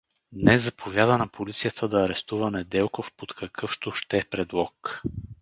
Днес заповяда на полицията да арестува Неделков под какъвто ще предлог.